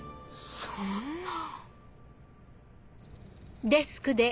そんな。